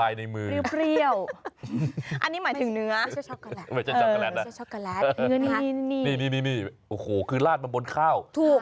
อ่านความหลักของรู้